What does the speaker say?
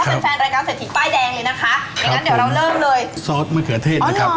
แฟนแฟนรายการเศรษฐีป้ายแดงเลยนะคะอย่างงั้นเดี๋ยวเราเริ่มเลยซอสมะเขือเทศนะครับ